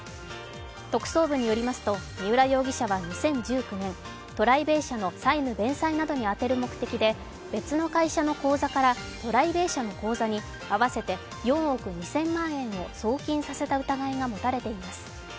特捜部によりますと三浦容疑者は２０１９年トライベイ社の債務弁済などに充てる目的で、別の会社の口座からトライベイ社の口座に合わせて４億２０００万円を送金させた疑いが持たれています。